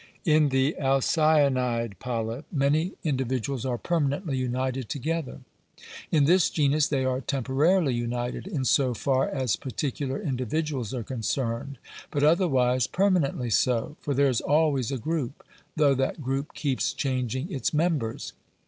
In the alcyonide polyp many individuals are permanently united together : in this genus they are temporarily united, in so far as particular individuals are concerned, but otherwise perma nently so; for there is always a group, though that group keeps changing its members.